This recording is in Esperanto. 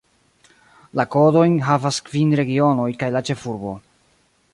La kodojn havas kvin regionoj kaj la ĉefurbo.